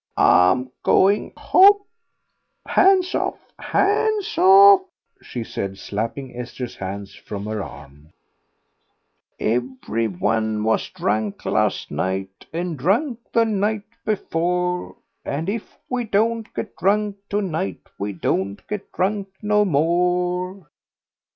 "I'm going home. Hands off, hands off!" she said, slapping Esther's hands from her arm. "'For every one was drunk last night, And drunk the night before; And if we don't get drunk to night, We don't get drunk no more.